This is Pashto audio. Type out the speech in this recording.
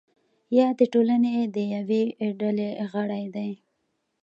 یا د ټولنې د یوې ډلې غړی دی.